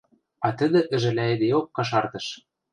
А тӹдӹ ӹжӓлӓйӹдеок кашартыш: